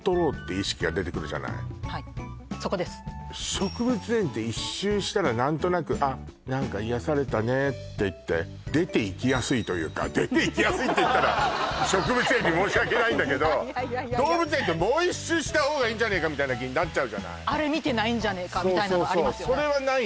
植物園って１周したら何となくあっ何か癒やされたねって言って出ていきやすいというか出ていきやすいって言ったら植物園に申し訳ないんだけど動物園ってもう１周したほうがいいんじゃねえかって気になるあれ見てないんじゃねえかみたいなのはありますよね